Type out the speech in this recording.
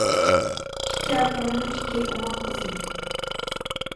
ئىككى ئاكامنىڭ ئىككى ئوماق قىزى.